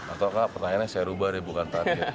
atau kak pertanyaannya saya ubah deh bukan tadi ya